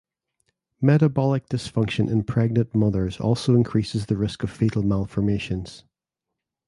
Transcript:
Metabolic dysfunction in pregnant mothers also increases the risk of fetal malformations.